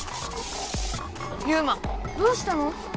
ユウマ⁉どうしたの！